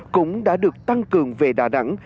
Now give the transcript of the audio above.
cũng đã được tăng cường về đà nẵng